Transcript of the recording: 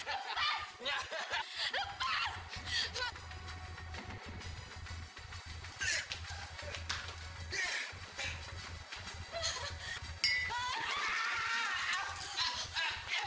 aku orang yang terkasih kamu kerja